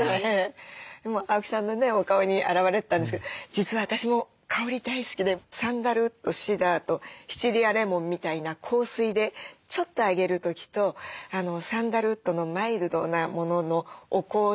今青木さんのねお顔に表れてたんですけど実は私も香り大好きでサンダルウッドシダーとシチリアレモンみたいな香水でちょっと上げる時とサンダルウッドのマイルドなもののお香で鎮静させる時と。